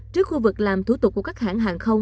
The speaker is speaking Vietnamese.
trước khu vực làm thủ tục của các hãng hàng không